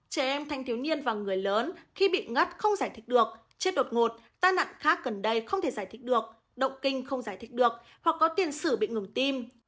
trẻ em thanh thiếu niên và người lớn khi bị ngất không giải thích được chết đột ngột tai nạn khác gần đây không thể giải thích được động kinh không giải thích được hoặc có tiền sử bị ngừng tim